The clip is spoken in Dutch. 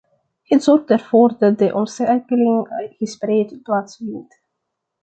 Het zorgt ervoor dat de omschakeling gespreid plaatsvindt.